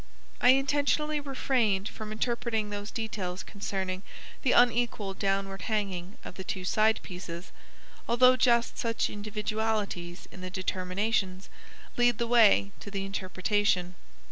I intentionally refrained from interpreting those details concerning the unequal downward hanging of the two side pieces, although just such individualities in the determinations lead the way to the interpretation.